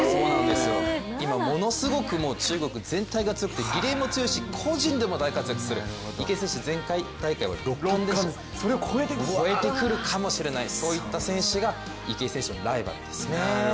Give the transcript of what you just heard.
今ものすごく中国全体がすごくて、リレーも強いし個人でも大活躍する、池江選手、前回大会は６冠ですからそれを超えてくるかもしれない、そういった選手が池江選手のライバルですね。